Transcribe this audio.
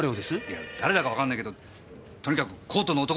いや誰だかわかんないけどとにかくコートの男。